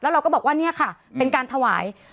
เราก็บอกว่าเนี่ยค่ะเป็นการถวาย